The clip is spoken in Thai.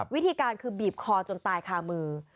วิธีการคือบีบคอจนตายคามือ